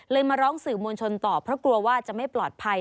มาร้องสื่อมวลชนต่อเพราะกลัวว่าจะไม่ปลอดภัย